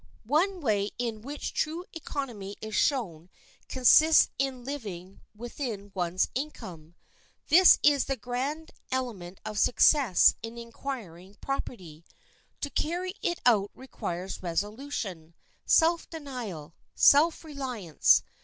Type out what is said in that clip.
One way in which true economy is shown consists in living within one's income. This is the grand element of success in acquiring property. To carry it out requires resolution, self denial, self reliance.